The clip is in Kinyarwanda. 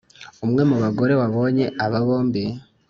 umwe mu bagore wabonye aba bombi